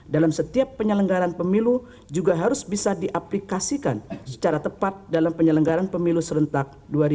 dalam setiap penyelenggaran pemilu juga harus bisa diaplikasikan secara tepat dalam penyelenggaran pemilu serentak dua ribu dua puluh